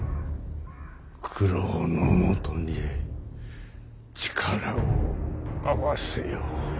九郎のもとで力を合わせよ。